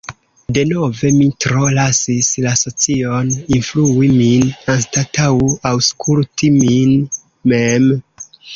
Denove, mi tro lasis la socion influi min anstataŭ aŭskulti min mem.